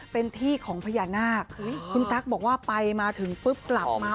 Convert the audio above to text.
เป็นที่ของพญานาคคุณตั๊กบอกว่าไปมาถึงปุ๊บกลับมา